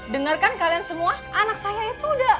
dengarkan kalian semua anak saya itu udah